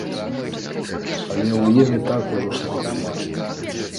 Але ў ім і так ужо шмат смачнага!